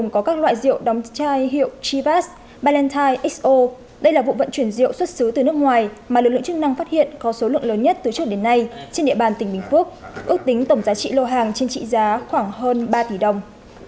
ngay hiệu chivas valentine xo đây là vụ vận chuyển rượu xuất xứ từ nước ngoài mà lực lượng chức năng phát hiện có số lượng lớn nhất từ trước đến nay trên địa bàn tỉnh bình phước ước tính tổng giá trị lô hàng trên trị giá khoảng hơn ba tỷ đồng